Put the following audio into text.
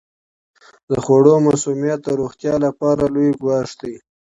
د خوړو مسمومیت د روغتیا لپاره لوی ګواښ دی.